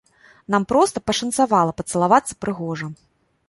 Нам проста пашанцавала пацалавацца прыгожа.